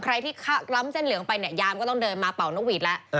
ใครที่ล้ำเส้นเหลืองไปเนี่ยยามก็ต้องเดินมาเป่านกหวีดแล้ว